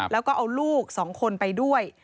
แล้วก็เอาลูก๒คนไปด้วย